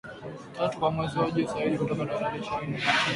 tatu kwa mwezi huo, juu zaidi kutoka dola milioni ishirni na tisa